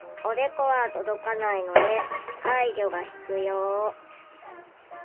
おでこは届かないので介助が必要。